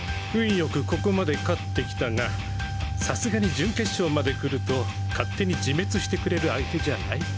良くここまで勝ってきたがさすがに準決勝まで来ると勝手に自滅してくれる相手じゃないか。